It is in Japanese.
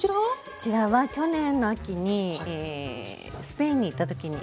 こちらは去年の秋にスペインに行った時に。